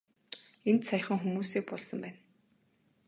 Энд саяхан хүмүүсийг булсан байна.